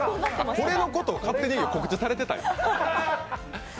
これのことが勝手に告知されてたんや。